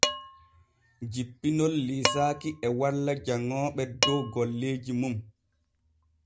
Jippinol liisaaki e walla janŋooɓe dow golleeji mum.